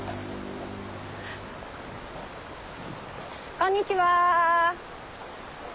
こんにちは。